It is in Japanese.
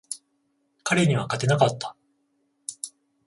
彼には勝てなかった。